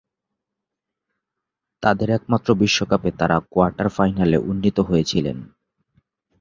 তাদের একমাত্র বিশ্বকাপে তারা কোয়ার্টার ফাইনালে উন্নীত হয়েছিলেন।